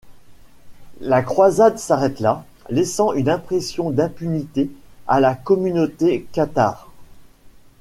La croisade s'arrête là, laissant une impression d'impunité à la communauté cathare.